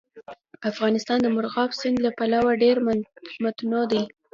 افغانستان د مورغاب سیند له پلوه ډېر متنوع دی.